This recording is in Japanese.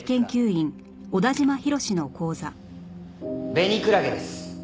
ベニクラゲです。